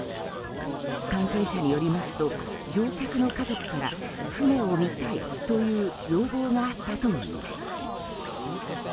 関係者によりますと乗客の家族から船を見たいという要望があったといいます。